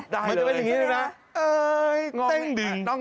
ได้เลยมันจะเป็นอย่างนี้เลยนะ